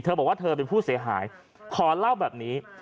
บอกว่าเธอเป็นผู้เสียหายขอเล่าแบบนี้